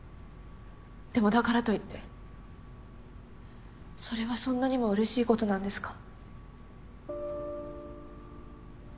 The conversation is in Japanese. でもだからと言ってそれはそんなにも嬉しいことなんですか？